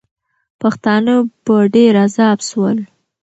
پښتانه په ډېر عذاب سول.